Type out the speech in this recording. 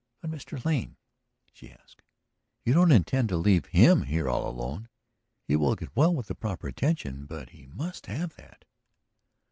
"But, Mr. Lane," she asked, "you don't intend to leave him here all alone? He will get well with the proper attention; but be must have that."